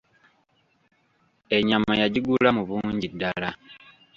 Ennyama yagigula mu bungi ddala.